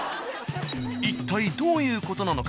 一体どういう事なのか？